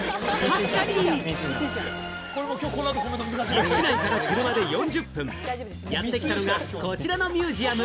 岐阜市内から車で４０分、やってきたのが、こちらのミュージアム。